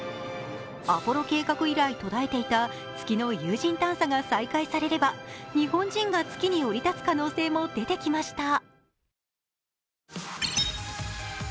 アポロ計画以来途絶えていた月の有人探査が再開されれば、日本人が月に降り立つ可能性も出てきました。